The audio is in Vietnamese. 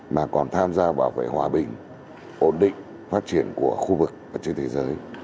mà còn tham gia bảo vệ hòa bình ổn định phát triển của khu vực và trên thế giới